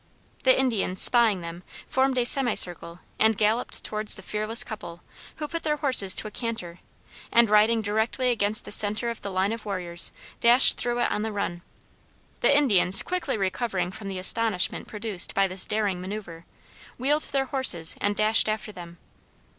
The Indians, spying them, formed a semicircle and galloped towards the fearless couple, who put their horses to a canter, and, riding directly against the center of the line of warriors, dashed through it on the run. The Indians, quickly recovering from the astonishment produced by this daring manoeuver, wheeled their horses and dashed after them.